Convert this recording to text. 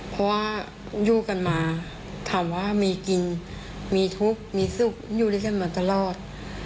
เพราะว่าอยู่กันมาถามว่ามีกินมีทุกข์มีสุขอยู่ด้วยกันมาตลอด